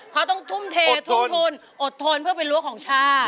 เขาต้องทุ่มเททุ่มทุนอดทนเพื่อเป็นรั้วของชาติ